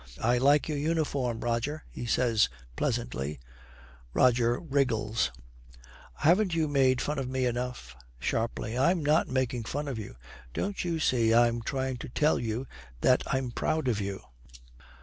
'I like your uniform, Roger,' he says pleasantly. Roger wriggles. 'Haven't you made fun of me enough?' Sharply, 'I'm not making fun of you. Don't you see I'm trying to tell you that I'm proud of you?'